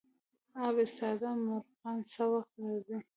اب ایستاده مرغان څه وخت راځي؟